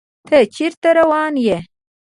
تۀ چېرته روان يې ؟